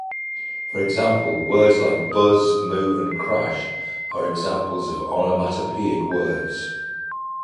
For example, words like "buzz," "moo," and "crash" are examples of onomatopoeic words.